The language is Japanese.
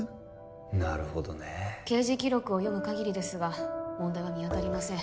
なるほどねえ刑事記録を読むかぎりですが問題は見当たりません